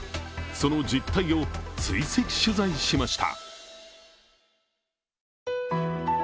その実態を追跡取材しました。